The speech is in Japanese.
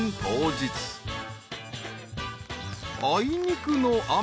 あいにくの雨。